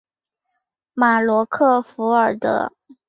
马罗克弗尔德。